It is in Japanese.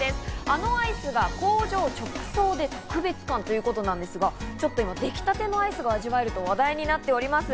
あのアイスが工場直送で特別感ということなんですが、できたてのアイスが味わえると話題になっています。